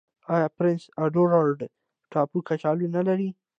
آیا پرنس اډوارډ ټاپو کچالو نلري؟